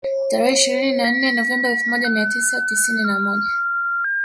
Tarehe ishirini na nne Novemba elfu moja mia tisa tisini na moja